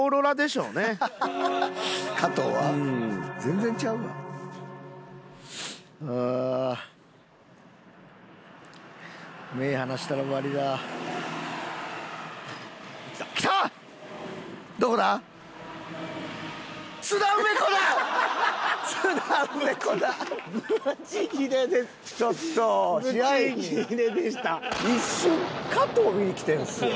一瞬加藤見に来てるんですよ。